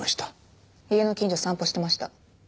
家の近所を散歩してました。